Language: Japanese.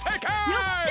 よっしゃ！